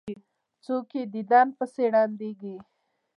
څوک یې دیدن پسې ړندیږي.